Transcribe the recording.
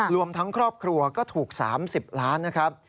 รวมทั้งครอบครัวก็ถูก๓๐ล้านนะครับ